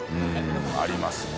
Δありますね